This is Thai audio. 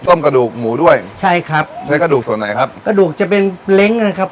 กระดูกหมูด้วยใช่ครับใช้กระดูกส่วนไหนครับกระดูกจะเป็นเล้งนะครับ